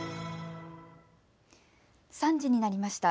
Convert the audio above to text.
３時になりました。